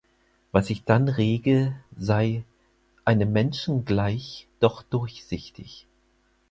Was sich dann rege, sei „einem Menschen gleich, doch durchsichtig“.